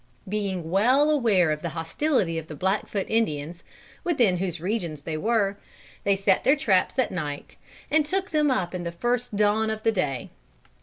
Being well aware of the hostility of the Blackfoot Indians, within whose regions they were, they set their traps at night, and took them up in the first dawn of the day.